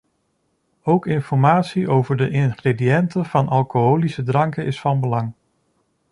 Ook informatie over de ingrediënten van alcoholische dranken is van belang.